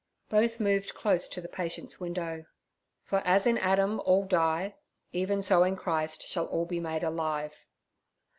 Both moved close to the patient's window. '"For as in Adam all die, even so in Christ shall all be made alive."'